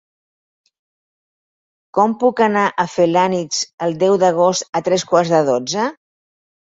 Com puc anar a Felanitx el deu d'agost a tres quarts de dotze?